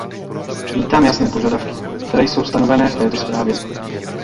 Vítám jasné požadavky, které jsou stanovené v této zprávě.